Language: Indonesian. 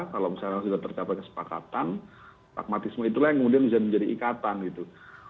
kalau misalnya sudah tercapai kesepakatan pragmatisme itulah yang kemudian bisa menjadi ikatan gitu